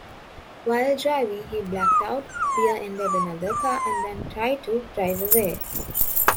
While driving, he blacked out, rear-ended another car, and then tried to drive away.